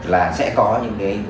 là sẽ có những cái